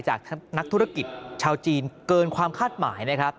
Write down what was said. จากนักธุรกิจชาวจีนเกินความคาดหมายนะครับ